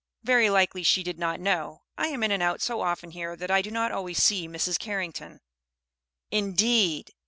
"Very likely she did not know. I am in and out so often here that I do not always see Mrs. Carrington." "Indeed!"